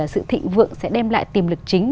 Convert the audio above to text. sự thịnh vượng sẽ đem lại tiềm lực chính